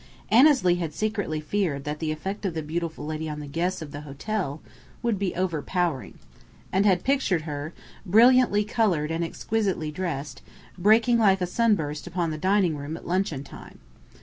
Annesley had secretly feared that the effect of the beautiful lady on the guests of the hotel would be overpowering, and had pictured her, brilliantly coloured and exquisitely dressed, breaking like a sunburst upon the dining room at luncheon time.